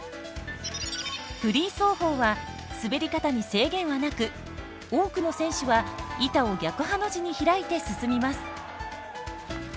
フリー走法は滑り方に制限はなく多くの選手は板を逆ハの字に開いて進みます。